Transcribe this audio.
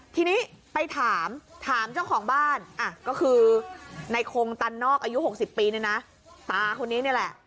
ทีนี้ไปถามถามเจ้าของบ้านก็คือในคงตันนอกอายุ๖๐ปีเนี่ยนะตาคนนี้นี่แหละ